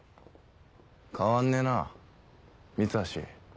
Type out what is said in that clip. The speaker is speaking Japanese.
変わんねえな三橋。